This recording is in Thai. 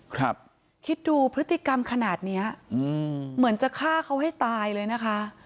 คิดดูพฤติกรรมขนาดเนี้ยอืมเหมือนจะฆ่าเขาให้ตายเลยนะคะ